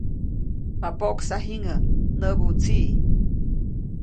‒ma poʼksa jiŋäʼ‒ näbu tsiʼ.